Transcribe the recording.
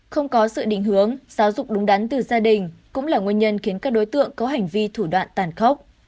không có sự định hướng giáo dục đúng đắn từ gia đình cũng là nguyên nhân khiến các đối tượng có hành vi thủ đoạn tàn khốc